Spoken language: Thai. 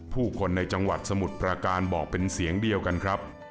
ผู้คนในจังหวัดสมุทรประการบอกเป็นเสียงเดียวกันครับ